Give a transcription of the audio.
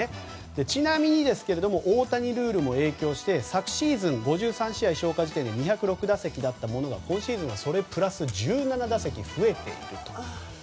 ちなみに大谷ルールも影響して昨シーズン５３試合消化時点で２０６打席だったものが今シーズンはそれプラス１７打席増えていると。